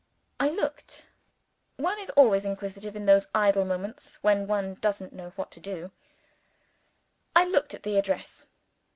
I looked (one is always inquisitive in those idle moments when one doesn't know what to do) I looked at the address.